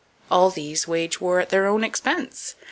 All these wage war at their own expense.